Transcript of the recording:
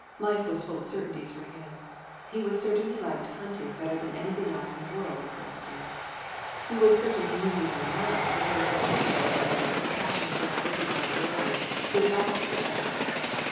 Life was full of certainties for him. He was certain he liked hunting better than anything else in the world for instance. He was certain he knew his own mind, and therefore perfectly certain his passion for Isabella Waring would last for ever!